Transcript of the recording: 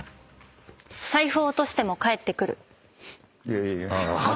いやいや。